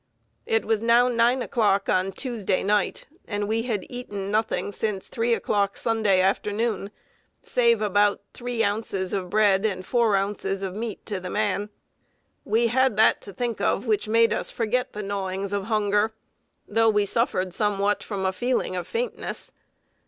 It was now nine o'clock on Tuesday night, and we had eaten nothing since three o'clock Sunday afternoon, save about three ounces of bread and four ounces of meat to the man. We had that to think of which made us forget the gnawings of hunger, though we suffered somewhat from a feeling of faintness.